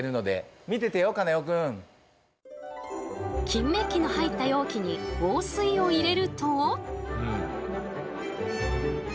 金メッキの入った容器に王水を入れると。